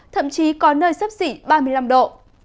thậm chí có nơi sấp xỉ ba mươi năm độ